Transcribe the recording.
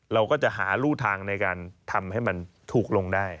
เราก็จะหารู่ทางในการทำให้มันถูกลงได้